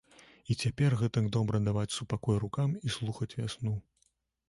І цяпер гэтак добра даваць супакой рукам і слухаць вясну.